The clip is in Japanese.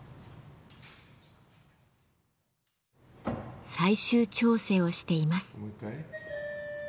最終調整をしています。